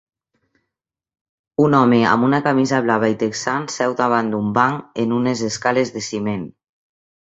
Un home amb una camisa blava i texans seu davant d'un banc en unes escales de ciment.